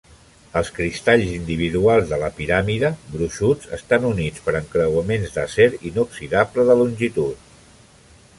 Els cristalls individuals de la piràmide, gruixuts, estan units per encreuaments d'acer inoxidable de longitud.